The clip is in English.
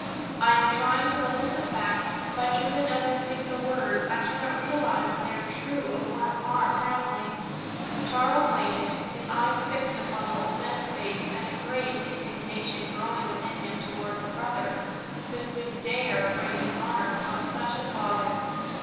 I am trying to look at the facts, but even as I speak the words I cannot realize that they are true of one of our family." Charles waited, his eyes fixed upon the old man's face, and a great indignation growing within him toward the brother who could dare bring dishonor upon such a father!